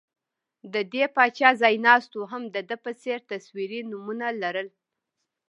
د دې پاچا ځایناستو هم د ده په څېر تصویري نومونه لرل